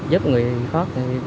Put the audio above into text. giúp người khó